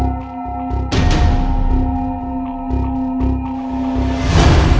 aku itu terlalu lebay